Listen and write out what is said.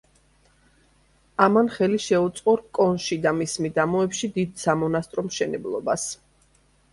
ამან ხელი შეუწყო, რკონში და მის მიდამოებში დიდ სამონასტრო მშენებლობას.